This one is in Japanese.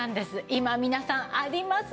今皆さんありますね